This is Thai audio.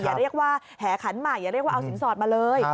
อย่าเรียกว่าแหขันใหม่อย่าเรียกว่าเอาสินสอดมาเลย